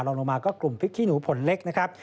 ลงมาก็กลุ่มพริกขี้หนูผลเล็กนะครับ